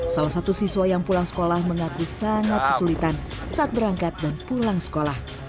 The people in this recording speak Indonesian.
salah satu siswa yang pulang sekolah mengaku sangat kesulitan saat berangkat dan pulang sekolah